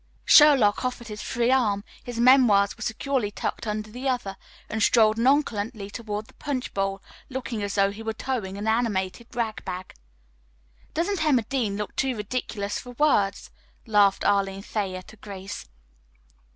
Sherlock offered his free arm his memoirs were securely tucked under the other and strolled nonchalantly toward the punch bowl, looking as though he were towing an animated rag bag. "Doesn't Emma Dean look too ridiculous for words?" laughed Arline Thayer to Grace.